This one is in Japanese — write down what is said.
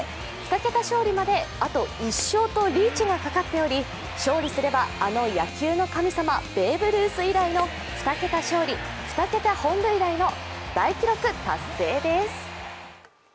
２桁勝利まであと１勝とリーチがかかっており勝利すればあの野球の神様、ベーブ・ルース以来の２桁勝利、２桁本塁打への大記録達成です。